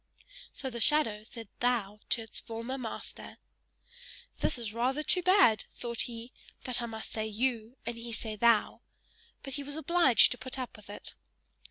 So the shadow said THOU to its former master. "This is rather too bad," thought he, "that I must say YOU and he say THOU," but he was now obliged to put up with it.